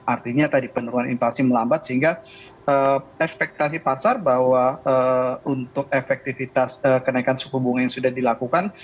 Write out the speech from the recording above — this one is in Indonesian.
artinya tadi penurunan inflasi melambat sehingga ekspektasi pasar bahwa untuk efektivitas kenaikan suku bunga yang sudah dilakukan